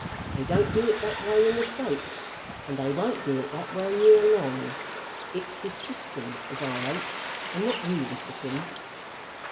They don't do it that way in the States; and they won't do it that way here long. It's the system as I hates, and not you, Mr. Finn.